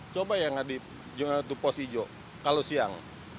coba ya gak di jenderal tupos ijo kalau siang